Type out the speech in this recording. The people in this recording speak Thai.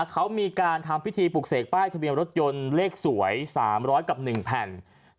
เขามีการทำพิธีปลูกเสกป้ายทะเบียนรถยนต์เลขสวย๓๐๐กับ๑แผ่น